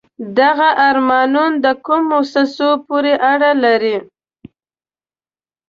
دغه آرمانون د کومو موسسو پورې اړه لري؟